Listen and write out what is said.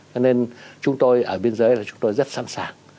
cho nên chúng tôi ở biên giới là chúng tôi rất sẵn sàng